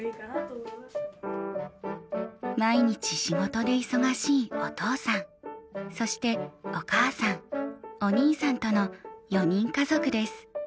毎日仕事で忙しいお父さんそしてお母さんお兄さんとの４人家族です。